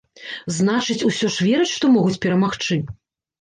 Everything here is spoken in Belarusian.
Значыць, усё ж вераць, што могуць перамагчы?